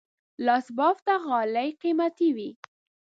لاس بافته غالۍ قیمتي وي.